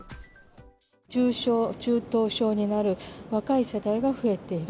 重症、中等症になる若い世代が増えている。